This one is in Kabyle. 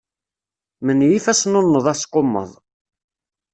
Menyif asnunneḍ asqummeḍ.